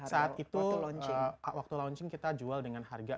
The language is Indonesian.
saat itu waktu launching kita jual dengan harga